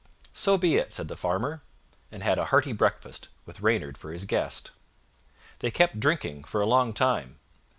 "So be it," said the Farmer, and had a hearty breakfast, with Reynard for his guest. They kept drinking for a long time.